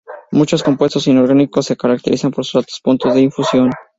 Muchos compuestos inorgánicos se caracterizan por sus altos puntos de fusión.